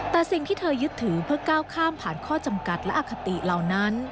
แต่สิ่งที่เธอยึดถือเพื่อก้าวข้ามผ่านข้อจำกัดและอคติเหล่านั้น